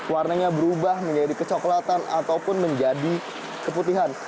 warnanya berubah menjadi kecoklatan ataupun menjadi keputihan